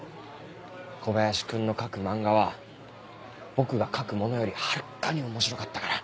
小林君の描く漫画は僕が描くものよりはるかに面白かったから。